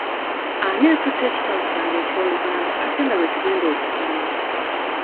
Ani atutte ekitabo kyange eky'Oluganda ate nga lwe tugenda okusoma?